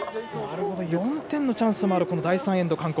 ４点のチャンスもある第３エンドの韓国。